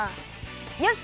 よし！